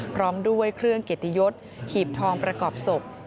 พร้อมด้วยเครื่องเกียรติยศหีบทองประกอบศพ